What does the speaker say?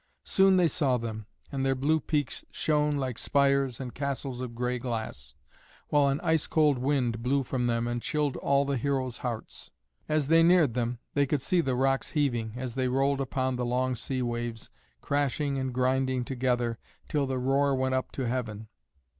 Soon they saw them, and their blue peaks shone like spires and castles of gray glass, while an ice cold wind blew from them and chilled all the heroes' hearts. As they neared them, they could see the rocks heaving, as they rolled upon the long sea waves, crashing and grinding together, till the roar went up to heaven.